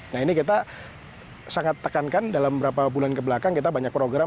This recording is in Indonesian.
nah ini kita sangat tekankan dalam beberapa bulan kebelakang kita banyak program